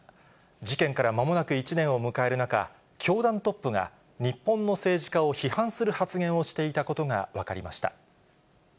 事件からまもなく１年を迎える中、教団トップが日本の政治家を批判する発言をしていたことが分かりました。